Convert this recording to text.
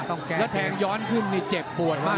แล้วแทงย้อนขึ้นนี่เจ็บปวดมาก